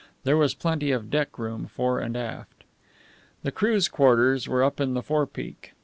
There was plenty of deck room fore and aft. The crew's quarters were up in the forepeak.